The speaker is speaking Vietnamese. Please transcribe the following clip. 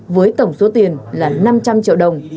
với tổng số tiền là năm trăm linh triệu đồng